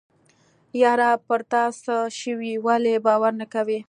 يره په تاڅه شوي ولې باور نه کوې.